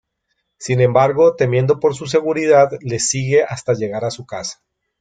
Sin embargo, temiendo por su seguridad les sigue hasta llegar a su casa.